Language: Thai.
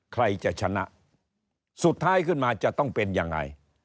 ใครจะชนะสุดท้ายขึ้นมาจะต้องเป็นยังไง